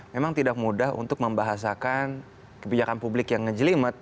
memang tidak mudah untuk membahasakan kebijakan publik yang ngejelimet